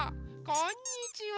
こんにちは！